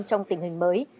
trong tình hình mới